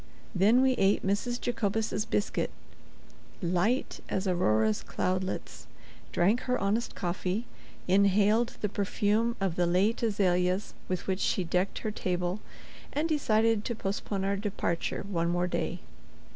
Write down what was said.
Then we ate Mrs. Jacobus's biscuit, light as Aurora's cloudlets, drank her honest coffee, inhaled the perfume of the late azaleas with which she decked her table, and decided to postpone our departure one more day.